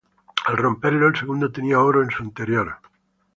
Al romperlo, el segundo tenía oro en su interior.